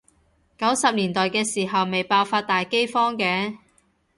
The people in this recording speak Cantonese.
九十年代嘅時候咪爆發大饑荒嘅？